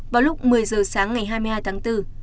vào lúc một mươi giờ sáng ngày hai mươi hai tháng bốn